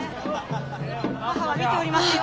母は見ておりますよ。